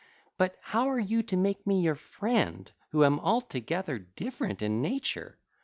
But how are you to make me your friend, who am altogether different in nature?